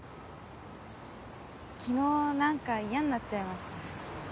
昨日なんか嫌になっちゃいました。